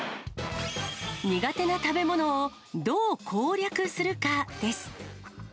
苦手な食べ物をどう攻略するかです。